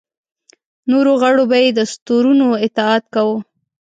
نورو غړو به یې دستورونو اطاعت کاوه.